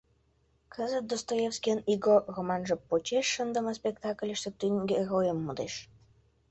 Кызыт Достоевскийын «Игрок» романже почеш шындыме спектакльыште тӱҥ геройым модеш.